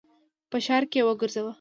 په ښار کي یې وګرځوه !